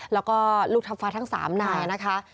แล้วก็ลูกทัพฟ้าทั้ง๓นายนะคะ